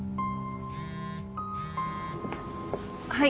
はい。